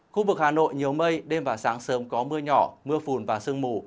khu vực hà nội nhiều mây đêm và sáng sớm có mưa nhỏ mưa phùn và sương mù